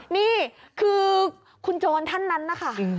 นี่คือคุณโจรท่านนั้นนะคะ